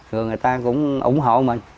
rồi người ta cũng ủng hộ mình